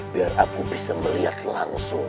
biar aku bisa melihat langsung